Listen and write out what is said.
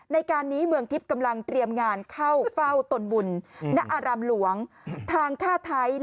ในการนี้เมืองทิปกำลังเตรียมงานเข้าเฝ้าตนบุญ